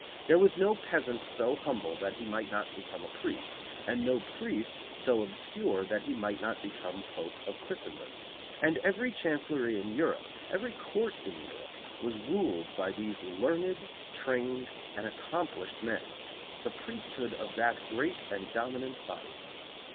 There was no peasant so humble that he might not become a priest, and no priest so obscure that he might not become Pope of Christendom; and every chancellery in Europe, every court in Europe, was ruled by these learned, trained and accomplished men, the priesthood of that great and dominant body.